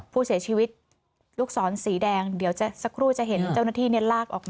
ผู้เสียชีวิตลูกศรสีแดงเดี๋ยวสักครู่จะเห็นเจ้าหน้าที่ลากออกมา